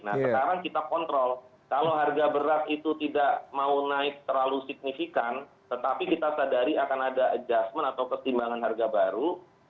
nah sekarang kita kontrol kalau harga beras itu tidak mau naik terlalu signifikan tetapi kita sadari akan ada adjustment atau ketimbangan harga baru